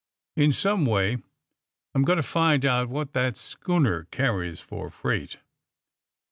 ^^In some way I'm going to find out what that schooner carries for freight."